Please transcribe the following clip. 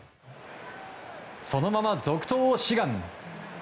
そのまま続投を志願。